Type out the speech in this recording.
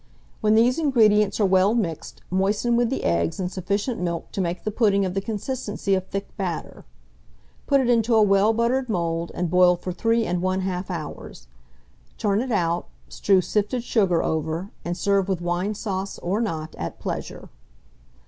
When these ingredients are well mixed, moisten with the eggs and sufficient milk to make the pudding of the consistency of thick batter; put it into a well buttered mould, and boil for 3 1/2 hours; turn it out, strew sifted sugar over, and serve with wine sauce, or not, at pleasure.